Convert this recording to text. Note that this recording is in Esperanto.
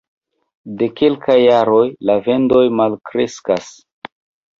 De kelkaj jaroj la vendoj malkreskas.